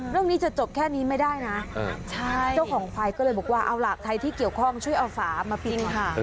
ตรงนี้จะจบแค่นี้ไม่ได้นะเออใช่เจ้าของควายก็เลยบอกว่าเอาหลากไทยที่เกี่ยวข้องช่วยเอาฝามาปิดค่ะอืม